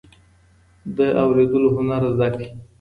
د اورېدلو هنر زده کړئ.